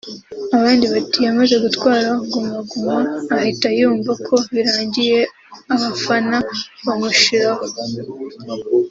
abandi bati yamaze gutwara guma guma ahita yumva ko birangiye abafana bamushiraho